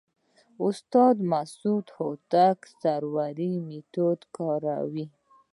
استاد معصوم هوتک د سروې میتود کاروي.